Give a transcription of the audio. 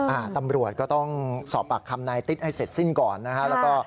อ่ะตำรวจก็ต้องสอบปากทางในนายติ๊กให้เสร็จสิ้นก่อนนะครับ